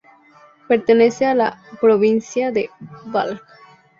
Pertenece a la provincia de Balj.